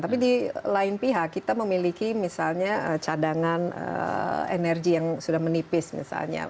tapi di lain pihak kita memiliki misalnya cadangan energi yang sudah menipis misalnya